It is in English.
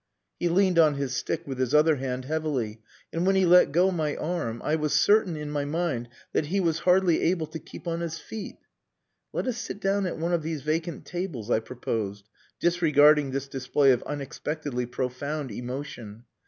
He leaned on his stick with his other hand, heavily; and when he let go my arm, I was certain in my mind that he was hardly able to keep on his feet. "Let us sit down at one of these vacant tables," I proposed, disregarding this display of unexpectedly profound emotion.